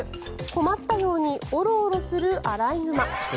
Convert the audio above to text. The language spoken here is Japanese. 困ったようにオロオロするアライグマ。